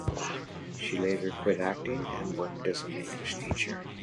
She later quit acting and worked as an English teacher.